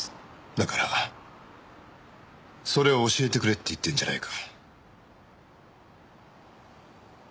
だからそれを教えてくれって言ってんじゃないか。